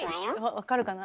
分かるかな。